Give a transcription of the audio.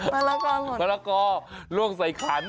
มะละกอหล่นออกมาใส่ขันมะละกอหล่นออกมาใส่ขัน